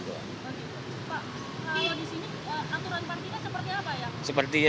aturan parkirnya seperti apa ya